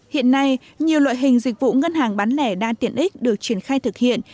hiện nay nhiều loại hình dịch vụ ngân hàng bán lẻ đa tiện ích được triển khai thực hiện